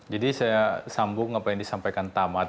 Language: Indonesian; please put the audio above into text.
jadi saya sambung apa yang disampaikan tama tadi